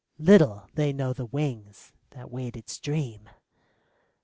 Little they know the wings that wait its Dream!